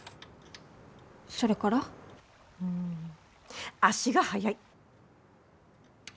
それから？ん足が速い！